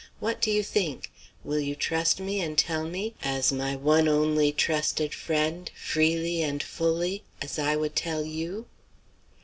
What do you think? Will you trust me and tell me as my one only trusted friend freely and fully as I would tell you?"